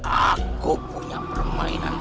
aku punya permainan